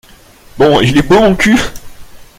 Bon, il est beau mon cul ?